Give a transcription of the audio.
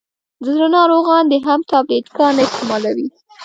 دزړه ناروغان دي هم ټابلیټ کا نه استعمالوي.